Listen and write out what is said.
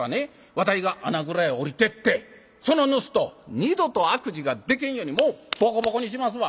わたいが穴蔵へ下りてってその盗人を二度と悪事がでけんようにもうボコボコにしますわ。